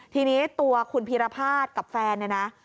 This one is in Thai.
ทีนี้ตัวคุณภีรพาสกับแฟน